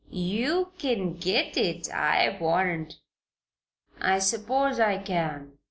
"Yeou kin get it, I warrant." "I suppose I can."